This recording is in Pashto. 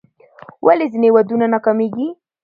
ولې ځینې ودونه ناکامیږي؟